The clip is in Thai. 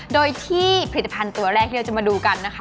โดยที่ผลิตภัณฑ์ตัวแรกที่เราจะมาดูกันนะคะ